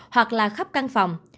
hoặc là khắp căn phòng